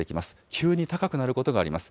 急に高くなることがあります。